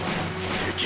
敵！